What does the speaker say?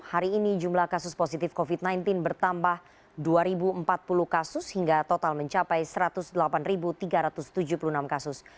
hari ini jumlah kasus positif covid sembilan belas bertambah dua empat puluh kasus hingga total mencapai satu ratus delapan tiga ratus tujuh puluh enam kasus